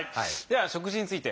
はい。